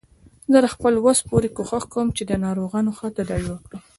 زه تر خپل وس پورې کوښښ کوم چې د ناروغانو ښه تداوی وکړم